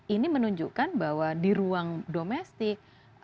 ini menunjukkan bahwa di ruang domestik